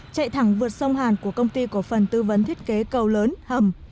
chạy thẳng vượt sông hàn của công ty cổ phần tư vấn thiết kế cầu lớn hầm